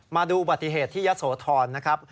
มาดูอุบัติเหตุที่ยะโสธรนะครับ